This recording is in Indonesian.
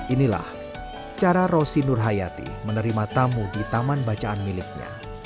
inilah cara rosi nur hayati menerima tamu di taman bacaan miliknya